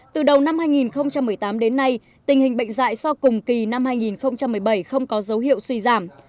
từ đầu năm hai nghìn một mươi tám đến nay tình hình bệnh dạy so cùng kỳ năm hai nghìn một mươi bảy không có dấu hiệu suy giảm